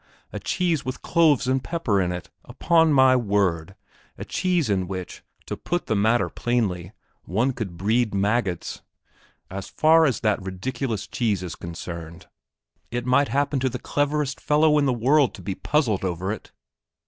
a cheese with cloves and pepper in it; upon my word, a cheese in which, to put the matter plainly, one could breed maggots. As far as that ridiculous cheese is concerned, it might happen to the cleverest fellow in the world to be puzzled over it!